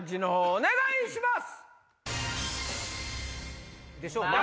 お願いします。